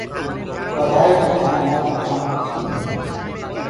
پڙهآيو مي ڌيآن نآ ڀٽڪآڻ ڪپي۔